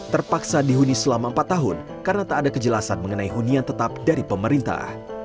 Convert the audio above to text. terpaksa dihuni selama empat tahun karena tak ada kejelasan mengenai hunian tetap dari pemerintah